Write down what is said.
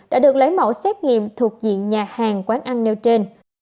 đã được lấy mẫu xét nghiệm thuộc diện nhà hàng quán ăn nêu trên